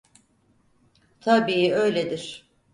Tabii öyledir.